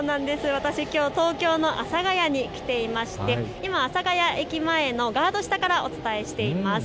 私きょう東京の阿佐ヶ谷に来ていまして今浅田、阿佐ヶ谷駅前のガード下からお伝えしています。